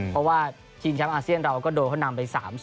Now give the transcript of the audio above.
เพราะว่าชิงแชมป์อาเซียนเราก็โดนเขานำไป๓๐